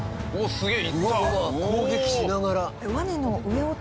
すげえ！